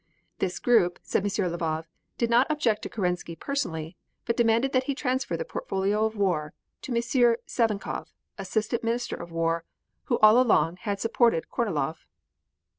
This group, said M. Lvov, did not object to Kerensky personally, but demanded that he transfer the Portfolio of War to M. Savinkov, assistant Minister of War, who all along had supported Kornilov.